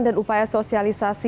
dan upaya sosialisasi